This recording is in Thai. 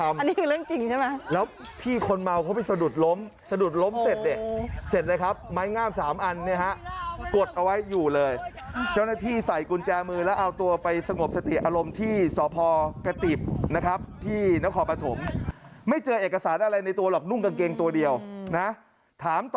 มีไหม่งามใช่ไหมฮะโอ้วถือไหม่งาม